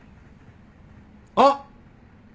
あっ！